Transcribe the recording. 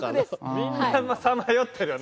みんなさまよってるよね。